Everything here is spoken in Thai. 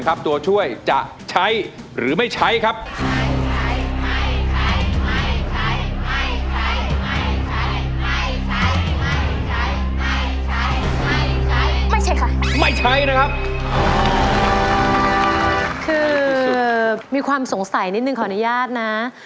คือมีความสงสัยนิดนึงขออนุญาตนะ